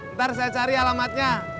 ntar saya cari alamatnya